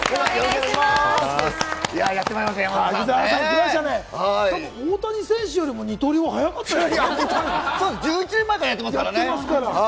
やってまいりまし大谷選手よりも二刀流、１１年前からやってますからね。